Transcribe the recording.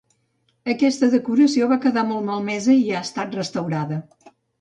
Aquesta decoració va quedar molt malmesa i ha estat restaurada.